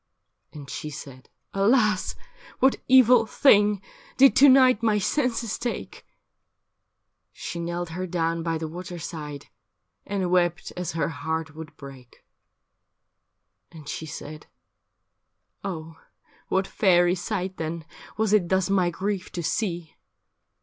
And she said, ' Alas ! what evil thing Did to night my senses take ?' She knelt her down by the water side And wept as her heart would break. And she said, ' Oh, what fairy sight then Was it thus my grief to see